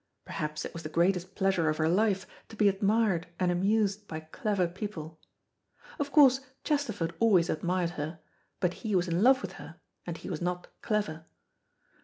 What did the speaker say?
Perhaps it was the greatest pleasure of her life to be admired and amused by clever people. Of course Chesterford always admired her, but he was in love with her, and he was not clever.